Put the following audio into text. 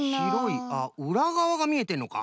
あっうらがわがみえてんのか。